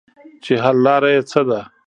چې حل لاره ئې څۀ ده -